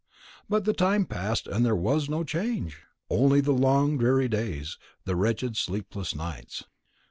But the time passed, and there was no change; only the long dreary days, the wretched sleepless nights."